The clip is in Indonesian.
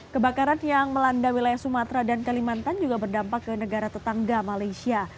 kebakaran yang melanda wilayah sumatera dan kalimantan juga berdampak ke negara tetangga malaysia